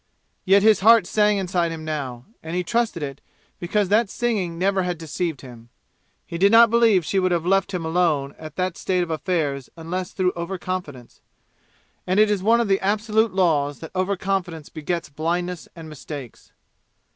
Yet his heart sang inside him now; and he trusted it because that singing never had deceived him. He did not believe she would have left him alone at that state of affairs unless through over confidence. It is one of the absolute laws that over confidence begets blindness and mistakes.